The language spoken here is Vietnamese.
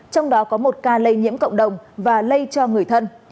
trong đó có một ca lây nhiễm cộng đồng và lây cho người thân